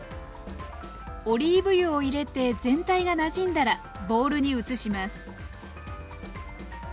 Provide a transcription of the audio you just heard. オリーブ油を入れて全体がなじんだらボウルに移します。